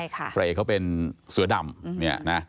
พระเอกเขาเป็นเสือดำ